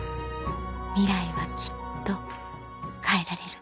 ミライはきっと変えられる